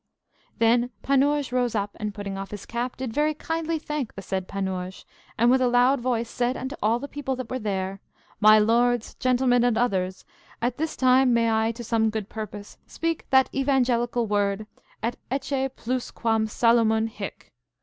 Then Panurge rose up, and, putting off his cap, did very kindly thank the said Panurge, and with a loud voice said unto all the people that were there: My lords, gentlemen, and others, at this time may I to some good purpose speak that evangelical word, Et ecce plus quam Salomon hic!